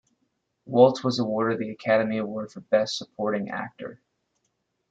Waltz was awarded the Academy Award for Best Supporting Actor.